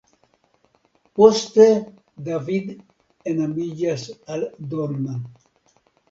Poste David enamiĝas al Donna.